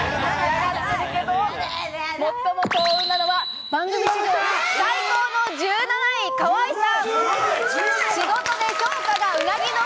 最も幸運なのは、番組史上最高の１７位、河井さん。